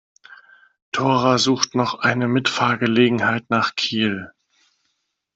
Dora sucht noch eine Mitfahrgelegenheit nach Kiel.